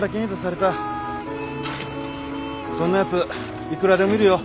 そんなやついくらでもいるよ。